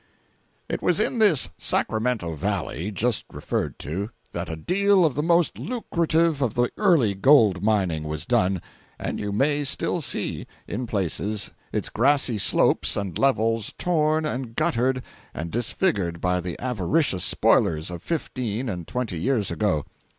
It was in this Sacramento Valley, just referred to, that a deal of the most lucrative of the early gold mining was done, and you may still see, in places, its grassy slopes and levels torn and guttered and disfigured by the avaricious spoilers of fifteen and twenty years ago.